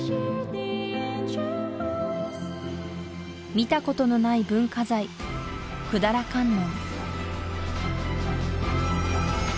見たことのない文化財百済観音